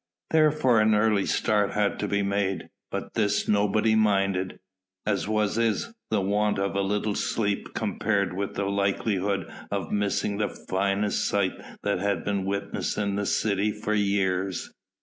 Therefore an early start had to be made. But this nobody minded, as what is the want of a little sleep compared with the likelihood of missing the finest sight that had been witnessed in the city for years?